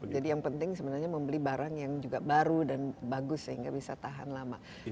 jadi yang penting sebenarnya membeli barang yang juga baru dan bagus sehingga bisa tahan lama